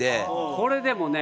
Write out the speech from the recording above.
これでもね